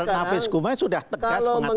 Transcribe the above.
nafis kumai sudah tegas mengatakan tidak bisa